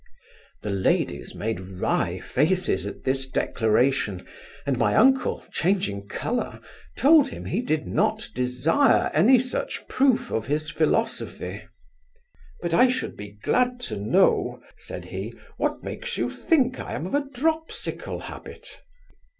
The ladies made wry faces at this declaration, and my uncle, changing colour, told him he did not desire any such proof of his philosophy: 'But I should be glad to know (said he) what makes you think I am of a dropsical habit?